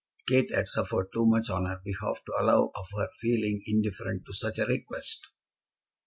Kate had suffered too much on her behalf to allow of her feeling indifferent to such a request.